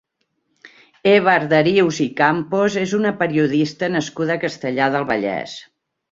Eva Arderius i Campos és una periodista nascuda a Castellar del Vallès.